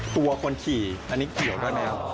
ตัวคนขี่อันนี้เกี่ยวกับแนว